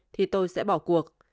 thì tôi sẽ bỏ cuộc